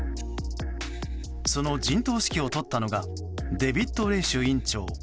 その陣頭指揮を執ったのがデビッド・レイシュ院長。